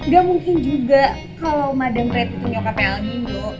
gak mungkin juga kalo madang preti tuh nyokapnya aldino